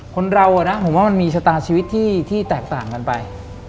คนเรานะผมว่ามันมีชะตาชีวิตที่แตกต่างกันไป